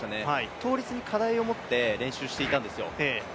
倒立に課題を持って練習していたんですよ。